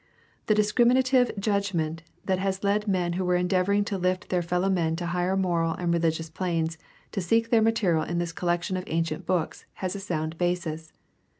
The discriminative judg ment that has led men who were endeavoring to Hft their fellow men to higher moral and religious planes to seek their material in this collection of ancient books has a sound basis.